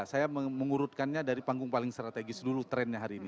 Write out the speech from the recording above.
saya mengurutkannya dari panggung paling strategis dulu trennya hari ini